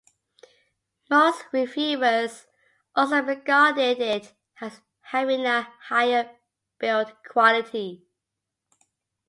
Most reviewers also regarded it as having a higher build quality.